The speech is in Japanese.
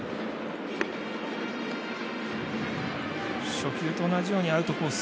初球と同じようにアウトコース